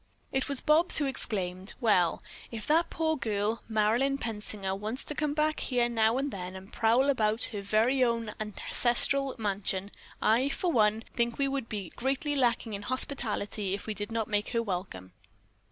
It was Bobs who exclaimed: "Well, if that poor girl, Marilyn Pensinger, wants to come back here now and then and prowl about her very own ancestral mansion, I, for one, think we would be greatly lacking in hospitality if we didn't make her welcome."